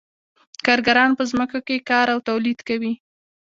کارګران په ځمکو کې کار او تولید کوي